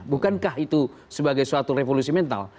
bukankah itu sebagai suatu revolusi mental